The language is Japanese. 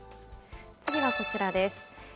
次はこちらです。